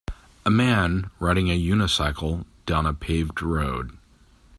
A man riding a unicycle down a paved road